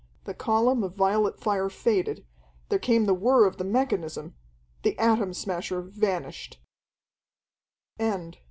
The column of violet fire faded, there came the whir of the mechanism the Atom Smasher vanished....